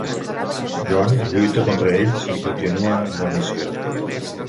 Jon lluita contra ells i continua amb la missió.